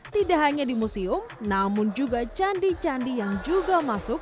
tidak hanya di museum namun juga candi candi yang juga masuk